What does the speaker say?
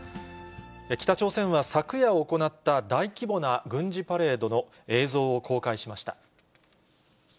北朝鮮は昨夜行った大規模な軍事パレードの映像を公開しました。